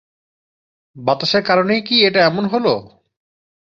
বাতাসের কারণেই কি এটা এমন হলো?